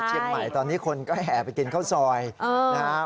เชียงใหม่ตอนนี้คนก็แห่ไปกินข้าวซอยนะครับ